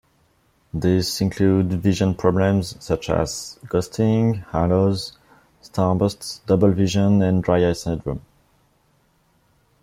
These include vision problems such as ghosting, halos, starbursts, double-vision, and dry-eye syndrome.